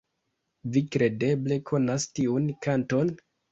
Vi kredeble konas tiun kanton?